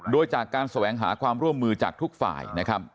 โดยจากการแสวงหาความร่วมมือจากทุกฝ่ายนะครับ